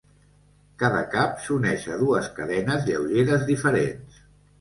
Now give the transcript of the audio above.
Cada cap s'uneix a dues cadenes lleugeres diferents.